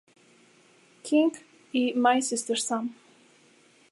King" y "My Sister Sam".